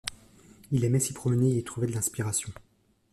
Il aimait s'y promener et y trouvait de l'inspiration.